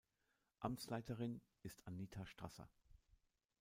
Amtsleiterin ist Anita Strasser.